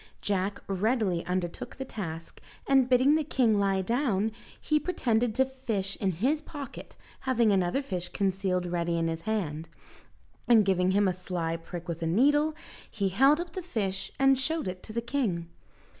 Jack readily undertook the task, and bidding the king lie down, he pretended to fish in his pocket, having another fish concealed ready in his hand, and giving him a sly prick with a needle, he held up the fish, and showed it to the king.